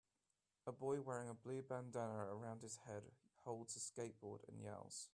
A boy wearing a blue bandanna around his head holds a skateboard and yells